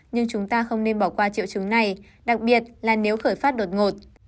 nhưng chúng ta không nên bỏ qua triệu chứng này đặc biệt là nếu khởi phát đột ngột